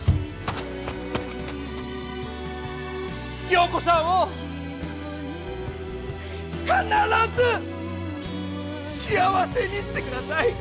良子さんを必ず幸せにしてください！